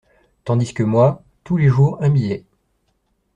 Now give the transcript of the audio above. Tandis que moi… tous les jours, un billet…